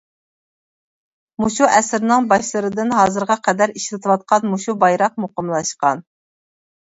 مۇشۇ ئەسىرنىڭ باشلىرىدىن ھازىرغا قەدەر ئىشلىتىۋاتقان مۇشۇ بايراق مۇقىملاشقان.